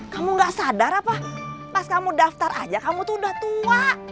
kamu gak sadar apa pas kamu daftar aja kamu tuh udah tua